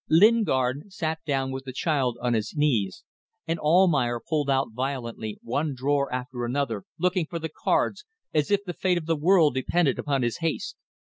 Lingard sat down with the child on his knees, and Almayer pulled out violently one drawer after another, looking for the cards, as if the fate of the world depended upon his haste.